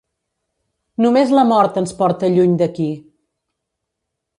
Només la mort ens porta lluny d'aquí.